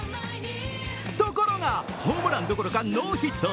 ところが、ホームランどころかノーヒット。